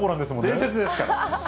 伝説ですから。